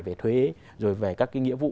về thuế rồi về các cái nghĩa vụ